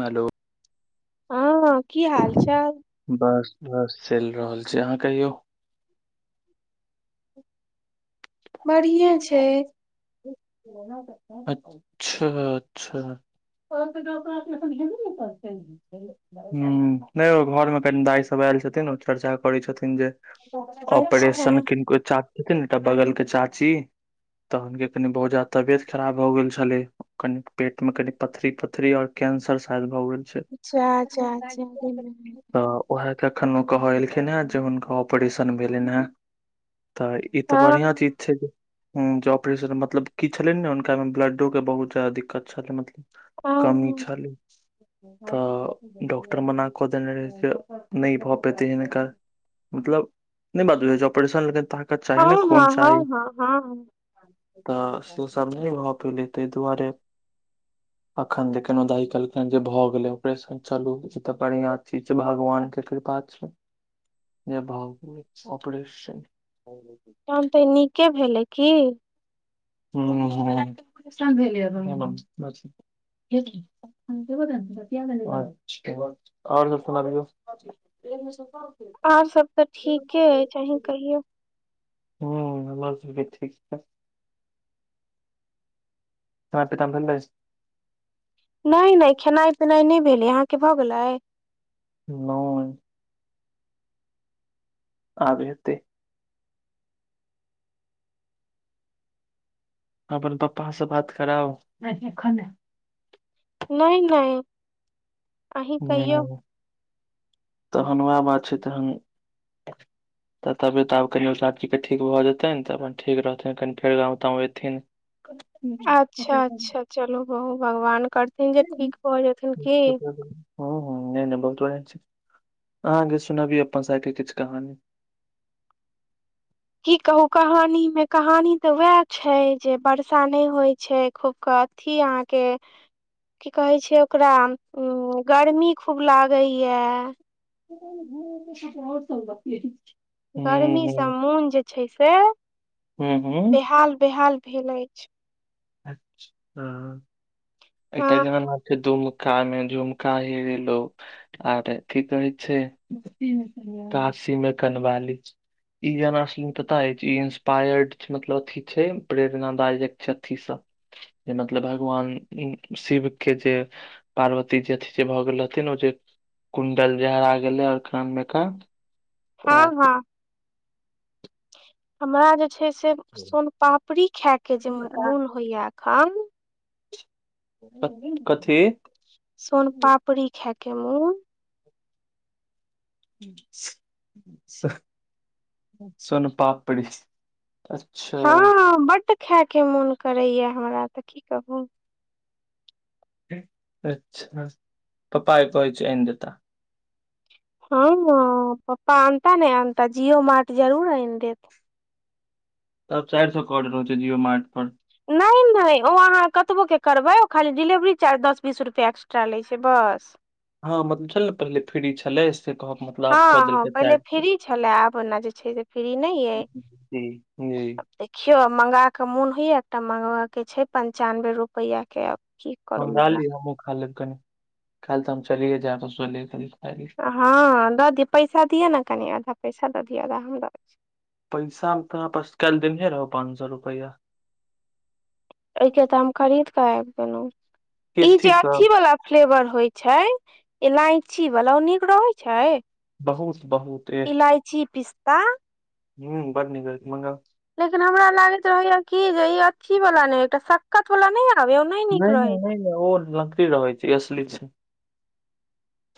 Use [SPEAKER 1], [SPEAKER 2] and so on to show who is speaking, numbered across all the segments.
[SPEAKER 1] हलो
[SPEAKER 2] हँ की हाल चाल
[SPEAKER 1] बस बस चलि रहल छी अहाँ कहियो
[SPEAKER 2] बढ़िए छै
[SPEAKER 1] अच्छा अच्छा [unintelligible] ह नहि ओ घरमे कनि दाइ सब आयल छथिन चर्चा करै छथिन जे
[SPEAKER 2] अच्छा
[SPEAKER 1] ऑपरेशन किनको चाची छथि एक बगल के चाची तहन के कनि बहुत जादा तबियत खराब भ गेल छलै कनि पेट मे कनि पथरी पथरी और कैंसर शायद भऽ गेल छै
[SPEAKER 2] जा जा जा [unintelligible]
[SPEAKER 1] तऽ उएह त एखन ओ कह एलखिन हे जे हुनका ऑपरेशन भेलनि ह तऽ ई तऽ
[SPEAKER 2] हँ
[SPEAKER 1] बढ़िआं चीज जे ऑपरेशन मतलब की छलनि ने हुनका मे ब्लडो के बहुत जादा दिक्कत छलै
[SPEAKER 2] हँ
[SPEAKER 1] मतलब कमी छलै तऽ डॉक्टर मना कऽ देने रहै से नइ भऽ पेतै हिनका मतलब नइ बात बुझैछौ ऑपरेशन लगै ताकत चाहि
[SPEAKER 2] हँ
[SPEAKER 1] चाही न खून
[SPEAKER 2] हँ
[SPEAKER 1] चाही
[SPEAKER 2] हँ हँ
[SPEAKER 1] तऽ से सब नइ भऽ पयले तइ दुआरे
[SPEAKER 2] [inaudible]
[SPEAKER 1] अखन देखन दाही कहलकनि जे भए गेले ऑपरेशन चलु इ त बढ़िया चीज छै भगवान के कृपा छै
[SPEAKER 2] [inaudible]
[SPEAKER 1] जे भ ऑपरेशन
[SPEAKER 2] तहन तऽ नीके भेलै की
[SPEAKER 1] हूं हूं हूं [unintelligible] अच्छा आओर सब सुनबिऔ [unintelligible]
[SPEAKER 2] आओर सब तऽ ठीके अछि अहीं कहियौ
[SPEAKER 1] हूँ हमर सबके ठीक छै सम पित त भेलै [unintelligible]
[SPEAKER 2] नइ नइ खेनाइ पिनाइ नइ भेलै अहाँ के भऽ गेलै
[SPEAKER 1] नो आब हेतै अपन पप्पा से बात कराउ नई एखन नइ
[SPEAKER 2] नइ नइ
[SPEAKER 1] वएह नइ तहन ओह बात छै तहन
[SPEAKER 2] [inaudible]
[SPEAKER 1] तऽ तबियत आब कनि साक्षी के ठीक भऽ जेतनि तऽ अपन ठीक रहथिन कनि फेर गाँव ताम अयथिन [inaudible]
[SPEAKER 2] अच्छा अच्छा चलू बहु भगवान करथिन जे ठीक भऽ जेथिन की
[SPEAKER 1] ह ह नइ नइ बहुत बढ़िआं छै अहाँके सुनबीऔ अपन साइड के किछु कहानी
[SPEAKER 2] की कहू कहानी मे कहानी ते वएह छै जे वर्षा नइ होय छै खूब क थी अहाँके की कहै छै ओकरा गर्मी खूब लागेया
[SPEAKER 1] ओर सब [unintelligible]
[SPEAKER 2] गर्मी से मोन जे छै से
[SPEAKER 1] हूँ हूँ
[SPEAKER 2] बेहाल बेहाल भेल अय
[SPEAKER 1] [unintelligible]
[SPEAKER 2] हँ
[SPEAKER 1] कान मे झुमका हेरोलौ आर की कहै छै काशीमे कनवाली ई जानाशि पता अछि ई इंसपायर्ड मतलब अथी छै प्रेरणादायक छथि अथी स जे मतलब भगवान शिव के जे पार्वतीजी अथि जे भऽ गेल रहथिन ओ जे कुण्डल जे हरा गेलै और कान मे का
[SPEAKER 2] हां
[SPEAKER 1] ओएह
[SPEAKER 2] हां हमरा जे छै से सोन पापड़ी खायके जे मोन होइया एखन
[SPEAKER 1] कथी
[SPEAKER 2] सोन पापड़ी खायके मोन
[SPEAKER 1] सो सो सोनपापड़ी
[SPEAKER 2] हँ बड्ड खायके मोन करैया हमरा तऽ की कहू
[SPEAKER 1] अच्छा पापा कहै छै एन देता
[SPEAKER 2] हँ हँ पापा अनता नहि अनता जिओ मार्ट जरूर आनि देत
[SPEAKER 1] तब चारि सए कर रहल छै जिओ मार्ट पर
[SPEAKER 2] नहि नहि ओ अहाँ कतबोके करबै ओ खाली डिलेवरी चार्ज दस बीस रुपैआ एक्स्ट्रा लै छै बस
[SPEAKER 1] हँ मत छले ने पहिले फ्री छलै से कहब मतलब
[SPEAKER 2] हँ
[SPEAKER 1] आब कऽ
[SPEAKER 2] हँ
[SPEAKER 1] देलकै
[SPEAKER 2] पहिले
[SPEAKER 1] चारि सौ
[SPEAKER 2] फ्री छलय आब ओना जे छै से फ्री नहि अइ
[SPEAKER 1] जी जी
[SPEAKER 2] देखियौ मंगा के मोन होइया एकटा मंगा के छै पंचानबे रुपआ के आ की
[SPEAKER 1] मंगा लिय हमहु खा लेब कनी काइल तऽ हम चलिये जायब [unintelligible]
[SPEAKER 2] कऽ। हँ दऽ दिय पैसा दिय ने कनि आधा पैसा दऽ दियऔ आधा हम द दै छीय
[SPEAKER 1] पैसामे तोरा पास काल्हि देनहे रहौ पाँंच सए रुपैया
[SPEAKER 2] ओके तऽ हम खरीद कऽ आबि गेलेलहुँ ई जे
[SPEAKER 1] केथी सँ
[SPEAKER 2] अथी वला फ्लेवर होइ छै इलायची वाला ओ नीक रहै छै
[SPEAKER 1] बहुत बहुत
[SPEAKER 2] इलायची पिस्ता
[SPEAKER 1] ह्मँ बड्ड निक रहे छै मंगाउ
[SPEAKER 2] लेकिन हमरा लागैत रहे य कि जे ई अचथी वाला नहि एकटा सक्कत वाला नहि य
[SPEAKER 1] नहि नहि नहि नहि ओ लकड़ी रहै छै एसलीस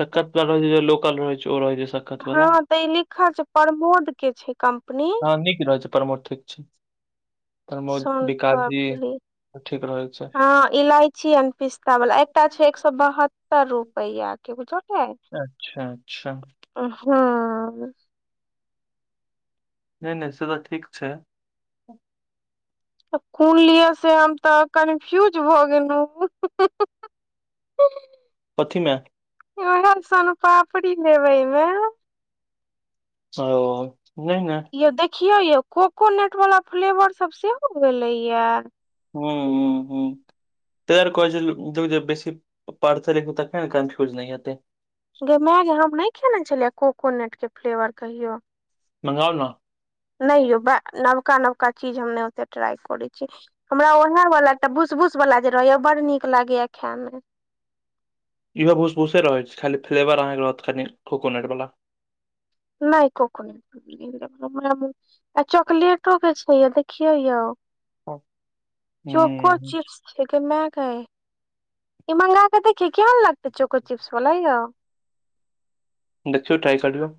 [SPEAKER 1] सखत वल रहे छै लोकल रहै छै ओ रह छै सक्कत
[SPEAKER 2] हँ
[SPEAKER 1] वाला
[SPEAKER 2] तऽ ई लिखल छै प्रमोद के छै कम्पनी
[SPEAKER 1] हं नीकि रह रहल छै परमो ठीक छै प्रमोद विकास जी
[SPEAKER 2] सोनपापड़ी
[SPEAKER 1] ठीक रहै छै
[SPEAKER 2] हँ इलाइची चियन पिस्ता वाला एकटा छै एक सए बहत्तर रुपआ के बुझौे
[SPEAKER 1] अच्छा अच्छा
[SPEAKER 2] हँ
[SPEAKER 1] नहि नहि से तऽ ठीक छै
[SPEAKER 2] कुन लियअ से हम तऽ कन्फ्यूज भऽ गेलहुँ [inaudible]
[SPEAKER 1] कथि में
[SPEAKER 2] ओएह सन पापड़ी लेबे मे
[SPEAKER 1] ओ नहि नै
[SPEAKER 2] यौ देखियो यौ कोकोनट वाला फ्लेवर सब सेहो भेले या
[SPEAKER 1] हँ ह हँ तैयर क देख बेसी पढ़थ लि त कनफ्यूज नहि हतै
[SPEAKER 2] गे माय गे हम नहि खेने छलियै ककोनट के फ्लेवर कहियो
[SPEAKER 1] मंगाउ ना
[SPEAKER 2] नहि यौ बै नबका नबका चीज हम नहि ओते ट्राइ करै छी हमरा ओएह वालला एकटा बूसबूस वला जे रहैया बडड़ नीक लागैए खायमे
[SPEAKER 1] इहो भूस भूसे रहैत छै खाली फ्लेवर अहाँके रहत कनि कोकोनट वाला
[SPEAKER 2] नहि कोकोनट चकलेट के छे यो देखियो यो
[SPEAKER 1] हूँ
[SPEAKER 2] चोको चिप्स छै गे मै गए ई मगाऽ क देखिये केहन लागतै चोको चिप्स बला य
[SPEAKER 1] देखियो ट्राइ करियो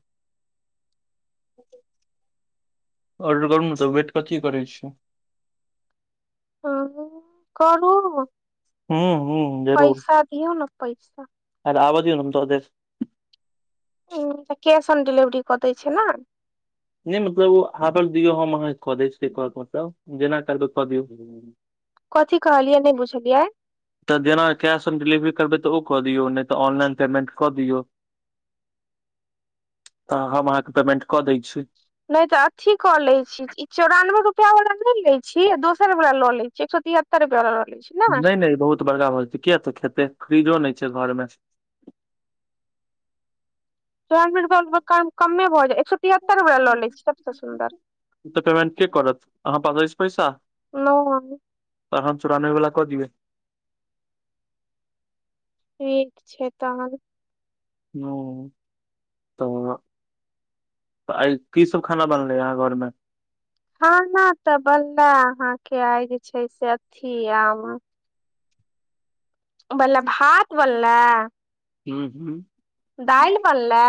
[SPEAKER 1] ऑर्डर करू ने तऽ वेट कथी करै छै
[SPEAKER 2] ह करू
[SPEAKER 1] हूँ हूँ
[SPEAKER 2] पैसा दिऔ ने पैसा
[SPEAKER 1] अरे आनअ दियौ न हम द देब
[SPEAKER 2] ह तऽ कैश ऑन डिलिवरी कऽ दै छै ने
[SPEAKER 1] नहि मतलब ओ आदर दियऔ हम अहाँके कऽ देब‌ से कहै के मतलब जेना करबै कऽ दियौ
[SPEAKER 2] कथी कहलियै नहि बुझलियै
[SPEAKER 1] तऽ जेना कैश ऑन डिलिवरी करबै तऽ ओ कऽ दियौ नहि तऽ ऑनलाइन पेमेंट कऽ दियौ तऽ हम अहाँके पेमेंट कऽ दै छी
[SPEAKER 2] नहि तऽ अथी कऽ लैत छी ई चौरानबे रुपैआ वला नहि लैत छी आ दोसर वला लऽ लैत छी एक सौ तिहतर तर ल लैय छी ने
[SPEAKER 1] नहि नहि बहुत बड़का भऽ जेतै किया तऽ खेतै फ्रीजो नहि छै घरमे
[SPEAKER 2] चौेरानबे रुपया बला कमे भऽ जाय एक सौ तिहत्तर बला ल लैय छी सबसँ सुन्दर
[SPEAKER 1] तऽ पेमेंट के करत अहाँ पास अछि पैसा
[SPEAKER 2] नइ मालुम
[SPEAKER 1] तहन चौरानबे बला कऽ दबै
[SPEAKER 2] ठीक छै तहन
[SPEAKER 1] [unintelligible] तऽ आई की सब खाना बनलेै आहाँ घर मे
[SPEAKER 2] खाना तऽ बनले आहाँ के आइ जे छै से अथी आम बनले
[SPEAKER 1] हूँ
[SPEAKER 2] भात बनले
[SPEAKER 1] हुँ
[SPEAKER 2] दालि बनलै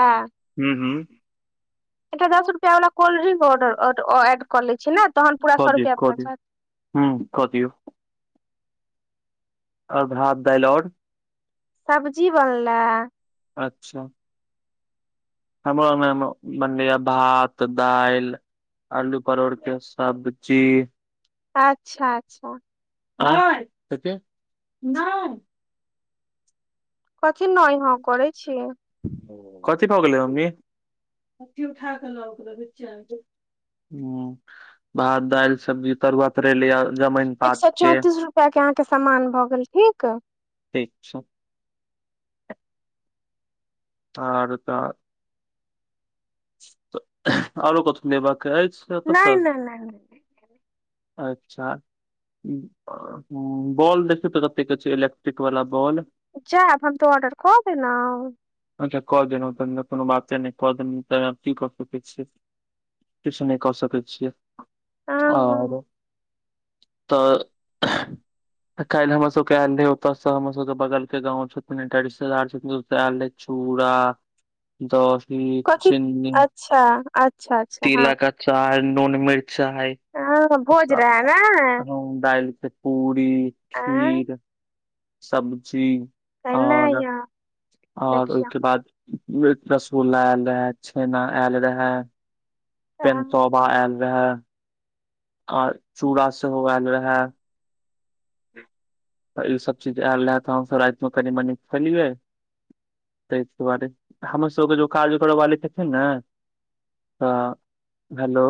[SPEAKER 1] हूँ हूँ
[SPEAKER 2] एकटा दश रुपआ वाला कोल्ड्रिंक ऑडर एड कर ले छिये न तहन पूरा
[SPEAKER 1] कऽ
[SPEAKER 2] सौ
[SPEAKER 1] दियौ
[SPEAKER 2] रुपया
[SPEAKER 1] कऽ
[SPEAKER 2] भऽ
[SPEAKER 1] दियौ
[SPEAKER 2] जैत
[SPEAKER 1] हूँ कऽ दिऔ आओर भात - दालि और
[SPEAKER 2] सब्जी बनले
[SPEAKER 1] अच्छा हमरो अंगनामे बनलैए भात दालि आलू परोड़के सबजी
[SPEAKER 2] अच्छा अच्छा
[SPEAKER 1] [unintelligible] कथि नहि
[SPEAKER 2] कथि नहि हँ करै छी
[SPEAKER 1] कथि भऽ गेल मम्मी अथि उठा कऽ लऽ गेलै बच्चा कऽ हुँ भात दालि सब्जी तरुआ तरेआ आब
[SPEAKER 2] एक सौ चौतीस रुपया कऽ अहाँके सामान भए गेल ठीक
[SPEAKER 1] ठीक छै और तऽ आरो कतहु लेबाक अछि
[SPEAKER 2] नाइ
[SPEAKER 1] एतऽसँ
[SPEAKER 2] नाइ नाइ नाइ
[SPEAKER 1] अच्छा बॉल देखियो तऽ कतेक छै इलेक्ट्रिक वाला बॉल
[SPEAKER 2] जाऽ हम तऽ ऑर्डर कऽ देेलहु
[SPEAKER 1] अच्छा क त कोनो बात नहि कऽ देलु त की कऽ सकै छियै किछु नहि कऽ सकै छियै
[SPEAKER 2] हँ
[SPEAKER 1] आरो [unintelligible] त काल्हि हमर सब के आले ओतऽ से हमर सब के बगल के गाँंव छथिन एकटा रिश्तेदार छथिन ओतऽ आयल रहे चूड़ा दही
[SPEAKER 2] कथी
[SPEAKER 1] चिन्नी
[SPEAKER 2] अच्छा अच्छा अच्छा हँ
[SPEAKER 1] तिलका अचार नून मिर्चा ह
[SPEAKER 2] हँ भोज रहै ने
[SPEAKER 1] दालि के पूरी
[SPEAKER 2] आँ
[SPEAKER 1] खीर सब्जी और
[SPEAKER 2] [unintelligible]
[SPEAKER 1] और ओहिके बाद रसगुल्ला आयल रहे छेना आयल रहे
[SPEAKER 2] हँ
[SPEAKER 1] पेनतोबा आयल रहेय आ चूड़ा सेहो आयल रहै त ई सब चीज आयल रहै तऽ हमसभ रातिमे कनी मनी खैलियै ताहि दुआरे हमर सबके जो काज करऽ वाले छथिन ने तऽ हेलो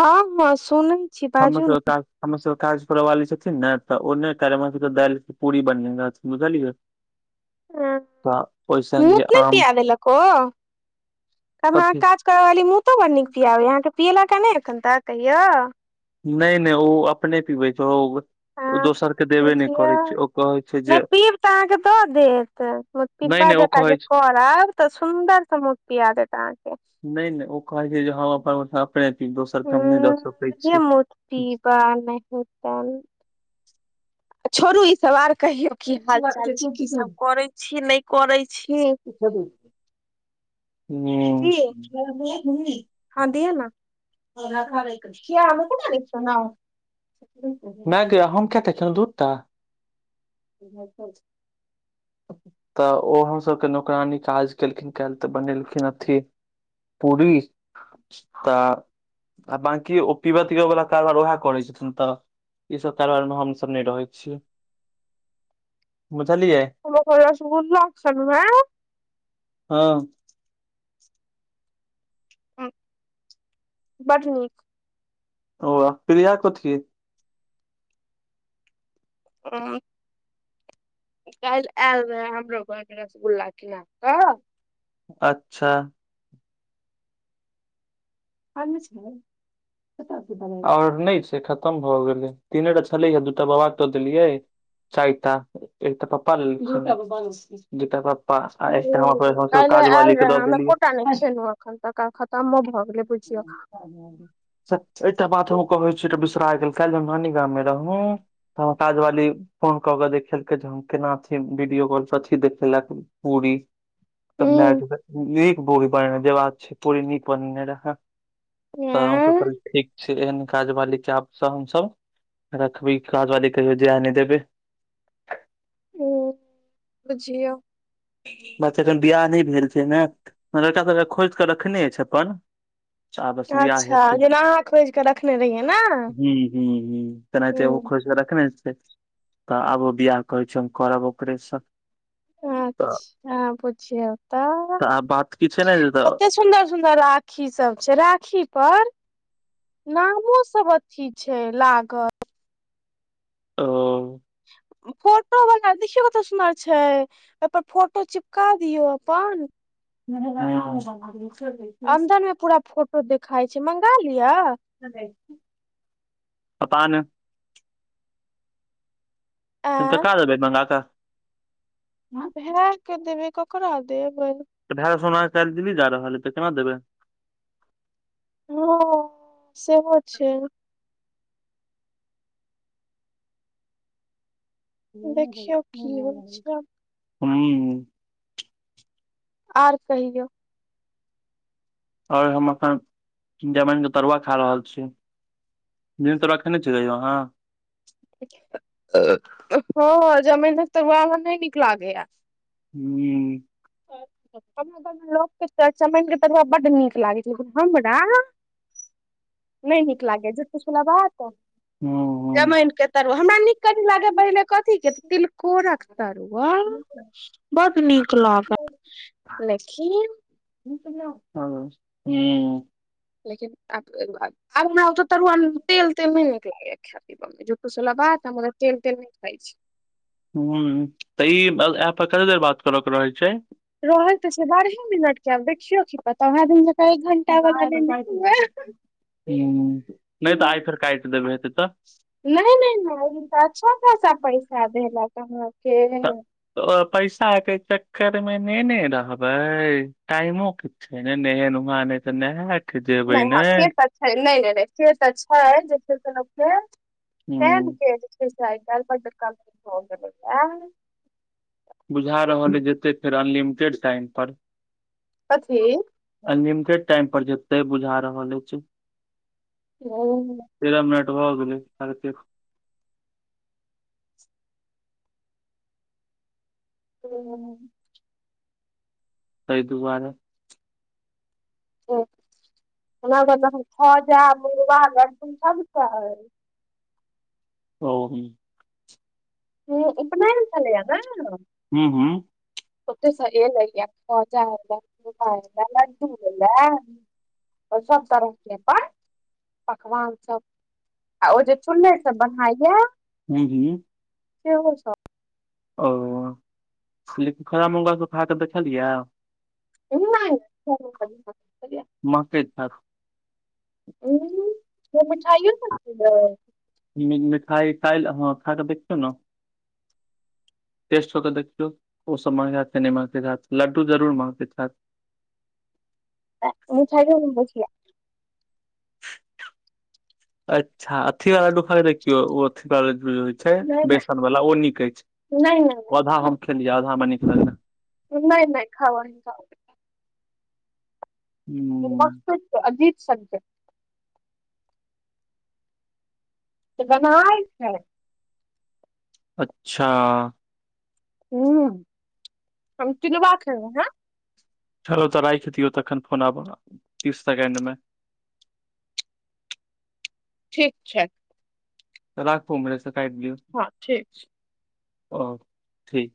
[SPEAKER 2] हँ हँ सुनैय
[SPEAKER 1] [unintelligible] हमर सबके काज करैवाली छथिन ने तऽ ओने क सबके दालि पूरी बनेन बुझलियै
[SPEAKER 2] ह
[SPEAKER 1] तऽ ओहि संगे
[SPEAKER 2] मूत नहि
[SPEAKER 1] आम
[SPEAKER 2] पिया देलक ओ अहाँ कऽ
[SPEAKER 1] कथी
[SPEAKER 2] काज करऽ वाली मूतो बड़ नीक पियाबे अहाँके पियेलक ह ने एखन तक कहिया
[SPEAKER 1] नहि नहि ओ अपने पीबै छै ओ
[SPEAKER 2] हँ
[SPEAKER 1] दोसर के देबे नहि
[SPEAKER 2] बुझियौ
[SPEAKER 1] करै छै ओ कहै छै जे
[SPEAKER 2] नहि पीब तऽ अहाँके द देत
[SPEAKER 1] नहि
[SPEAKER 2] पिब्बा
[SPEAKER 1] नहि ओ
[SPEAKER 2] जकाँ जे
[SPEAKER 1] कहै
[SPEAKER 2] करब तऽ सुन्दर से पिया देत अहाँके
[SPEAKER 1] नहि नहि ओ कहै छै जे हने दोसर के हम नहि दऽ सकैत छीयै
[SPEAKER 2] कटिहार नहातन छोड़ू ई सबव आर कहियौ की हाल चाल छै की सब करै छी नहि करै छी
[SPEAKER 1] ब [unintelligible] ह्म
[SPEAKER 2] की हँ दिय ने किया हमे कोना नीक सुनब
[SPEAKER 1] [unintelligible] [unintelligible] तऽ ओ सबके नौकरानी काज केलखिन के तऽ बनेलखिन अथि पूरी तऽ आ बांकी ओ पीबऽ तीबऽ वाला कारबार उएह करै छथिन तऽ ई सब कारबार मे हमसभ नहि रहै छीयै बुझलियै
[SPEAKER 2] रसगुल्ला खेलहुंँ य
[SPEAKER 1] हँ
[SPEAKER 2] ह्म बड नीक
[SPEAKER 1] ओह प्रिया कथि
[SPEAKER 2] [unintelligible] काल्हिआयल रेहे हमरो घर रसगुल्ला किना कऽ
[SPEAKER 1] अच्छा
[SPEAKER 2] ह
[SPEAKER 1] आनने छलियै आओर नहि छै खत्म भऽ गेलै तीने टा छलै हे दू टा बाबा केऽ देलियै चारिटा एकटा पप्पा लेल दुटा पप्पा आ एकटा हमसभ काजवाली के दऽ देलियै
[SPEAKER 2] कन एखन तऽ खत्मो भऽ गेलै बुझियौ
[SPEAKER 1] एकटा बात हम कहै छी बिसरा गेल काल्हि नानी गाममे रहू त काज वाली फोन कऽ के देखेलकै जे हम केना छी वीडियो कॉल पर छी देखेलक पूरी त मै
[SPEAKER 2] हूँ
[SPEAKER 1] नीक पूरी बनेना जे बात छै पूरी नीक बनने रहै तऽ हमसभ कहल
[SPEAKER 2] एं
[SPEAKER 1] ठीक छी एहन काज बाली चाबसँ हमसभ रखबै काज वाली कहियो जे नहि देबै
[SPEAKER 2] ह्म बुझियौ
[SPEAKER 1] बात छै बियाह नहि भेल छै ने लड़का सबक खोजि कऽ रखने छै अपन चा बियाह
[SPEAKER 2] अच्छा
[SPEAKER 1] हेतै भी
[SPEAKER 2] जेना अहाँ खोजि कऽ रखने रहियै ने
[SPEAKER 1] ह्म ह्म ह्म ह्म तेनाहिते ओ
[SPEAKER 2] ह
[SPEAKER 1] खोजि कऽ रखने तऽ आब बियाह कहै छै हम करब ओकरेसँ तऽ
[SPEAKER 2] अच्छा बुझियौ तऽ
[SPEAKER 1] आब बात की छै ने जे तऽ
[SPEAKER 2] कत सुंदर सुदर राखी सब छै राखी पर नामो सब अथि छै लागल
[SPEAKER 1] अओ
[SPEAKER 2] फोटो बला देखियौ कतेऽ सुनर छै ओपर फोटो चिपका दियौ अपन
[SPEAKER 1] ै [unintelligible]
[SPEAKER 2] अदंर मे पूरा फोटो देखाई छै मंगा लिय
[SPEAKER 1] पता नै
[SPEAKER 2] आ
[SPEAKER 1] नहि तऽ क देबै मंगा क
[SPEAKER 2] भेए के देबै ककरा देबै
[SPEAKER 1] तऽ भएड़ सोना काल देली जा रहल है तऽ केना देबै
[SPEAKER 2] ओ सेहो छै देखियौ की होइ छै आब
[SPEAKER 1] हू
[SPEAKER 2] ओर कहियौ
[SPEAKER 1] आओर हम एखन जमैन के तरुआ खा रहल छी तरुआ खेने छी आहाँ
[SPEAKER 2] हँ जमैनक तरुआ हमरा नइ निक लागैया
[SPEAKER 1] हू
[SPEAKER 2] [unintelligible] हमरा गव मे लोकके चचमाइन के तरुआ बड्ड नीक लागैत छै लेकिन हमरा नहि नीक लागे छूट फूस वला बात
[SPEAKER 1] हूँ
[SPEAKER 2] जमाइनक के तरुआ हमरा नीक कनि लागय
[SPEAKER 1] हूँ
[SPEAKER 2] पहिने कथी के तिलकोरक तरुआ बड नीक लागै लेकिन
[SPEAKER 1] हँ ह
[SPEAKER 2] लेकिन आब ने आत तरुआ तेल त मेन ख पमे फूस बला बात हम तेल तेल नहि खाइ छै
[SPEAKER 1] ह तऽ ई एप पर कते देर बात करय के रहै छै
[SPEAKER 2] रहै तऽ छै बारहे मिनट के आब देखियौ की पता वएह दिन जकाँ एक घंटा वाला नहि ने हुए
[SPEAKER 1] [unintelligible] ह नहि तऽ आइ फेर काट देबै हेतै तऽ
[SPEAKER 2] नहि नहि नहि अच्छा खसा पैसा देलकए हमरा फेर
[SPEAKER 1] तऽ पैसा के चक्कर मे नेने रहबै टाइमो के से नेहे नह नहि तऽ नेह के जेबै
[SPEAKER 2] नहि हँ से तऽ छै
[SPEAKER 1] ने
[SPEAKER 2] नहि नहि नहि से तऽ छै जे छै से लोकके टाइम
[SPEAKER 1] हूँ
[SPEAKER 2] के जे छै से आइ काल्हि बड कमी भऽ गेलैये
[SPEAKER 1] बुझा रहल हइ जेतै फेर अनलिमिटेड टाइम पर
[SPEAKER 2] कथी
[SPEAKER 1] [unintelligible] अनलिमिटेड टाइम पर जेते बुझा रहल अछि तेरह मिनट भ गेले [unintelligible] तइ दुआरे
[SPEAKER 2] [unintelligible]
[SPEAKER 1] ओ हूँ
[SPEAKER 2] हूँ उपनयन छलैये
[SPEAKER 1] हूँ
[SPEAKER 2] ओत ए लैय ख जा ल लड्डू लए [unintelligible] सब तरह के अपन पकवान सब आ ओ जे चुले से ब [unintelligible]
[SPEAKER 1] हूँ हूँ ओ [unintelligible] मौगा सब खाकऽ देखलियै
[SPEAKER 2] हम्म,
[SPEAKER 1] नइ
[SPEAKER 2] नहि
[SPEAKER 1] मके खाब
[SPEAKER 2] ह मिठाइयो त खेबे
[SPEAKER 1] मिठाइ काइल हँ खाऽ देखयो नै टेस्ट हो केऽ देखियौ ओसभ माँगैत हत कि नहि माँगते हत लड्डू जरूर माँ्गैत रहैत
[SPEAKER 2] मिठाइयो नहि दै छियै
[SPEAKER 1] [unintelligible] अच्छा अथी वालाखार देखियौ ओ अथीवाल होइ छै
[SPEAKER 2] नहि नहि
[SPEAKER 1] बेसन वाला ओ नीक अछि नहि आधा हम खेलियै आधा हमरा निक लगला
[SPEAKER 2] नहि नहि खाव आहि खाव
[SPEAKER 1] हूँ
[SPEAKER 2] [unintelligible] गनहाइ छै
[SPEAKER 1] अच्छा
[SPEAKER 2] हूंम्म हम तिलबा खेल‌उ हें
[SPEAKER 1] फेरो तऽ राखि दियौ तखन फोन आब तीस सेकेंड मे
[SPEAKER 2] ठीक छै
[SPEAKER 1] राखु उम्हरे से काटि दियौ
[SPEAKER 2] हँ ठीक छै
[SPEAKER 1] ओ ठीक